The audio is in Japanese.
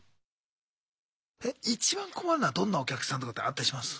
いちばん困るのはどんなお客さんとかってあったりします？